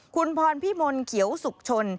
คุณพรพี่มนต์เขียวสุขชน